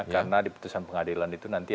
karena di putusan pengadilan itu nanti